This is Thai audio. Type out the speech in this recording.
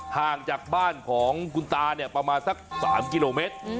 ห่างจากบ้านของคุณตาเนี่ยประมาณสัก๓กิโลเมตร